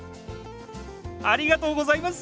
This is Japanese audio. ありがとうございます！